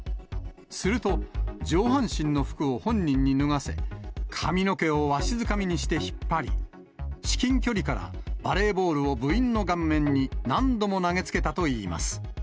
すると、上半身の服を本人に脱がせ、髪の毛をわしづかみにして引っ張り、至近距離からバレーボールを部員の顔面に何度も投げつけたといいます。